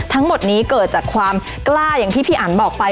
ทั้งหมดนี้เกิดจากความกล้าอย่างที่พี่อันบอกไป